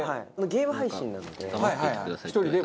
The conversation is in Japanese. ゲーム配信なので。